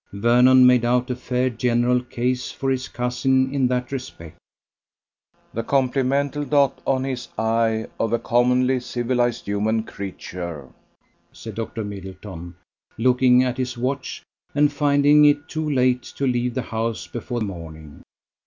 Vernon made out a fair general case for his cousin in that respect. "The complemental dot on his i of a commonly civilized human creature!" said Dr. Middleton, looking at his watch and finding it too late to leave the house before morning.